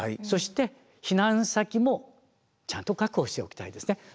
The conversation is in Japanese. そして避難先もちゃんと確保しておきたいですね。